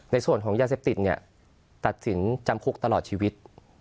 ในส่วนของยาเสพติดเนี่ยตัดสินจำคุกตลอดชีวิต